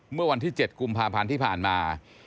เมื่อวันที่๗กุมภาพันธ์ที่ผ่านมา